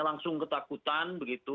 langsung ketakutan begitu